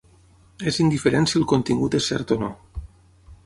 És indiferent si el contingut és cert o no.